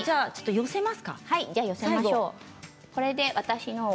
寄せましょう。